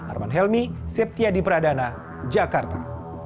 arman helmy septia di pradana jakarta